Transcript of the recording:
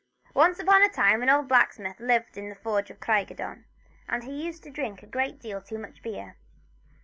ONCE upon a time an old blacksmith lived in an old forge at Craig y don, and he used to drink a great deal too much beer.